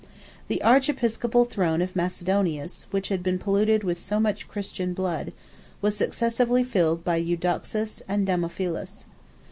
The archiepiscopal throne of Macedonius, which had been polluted with so much Christian blood, was successively filled by Eudoxus and Damophilus.